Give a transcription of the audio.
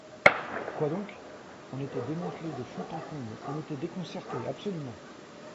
Quoi donc! on était démantelé de fond en comble ! on était déconcerté, absolument !